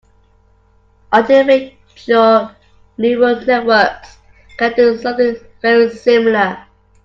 Artificial neural networks can do something very similar.